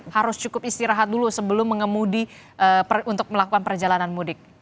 harus cukup istirahat dulu sebelum mengemudi untuk melakukan perjalanan mudik